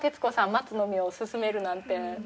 松の実を勧めるなんて。